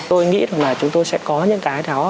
tôi nghĩ là chúng tôi sẽ có những cái đó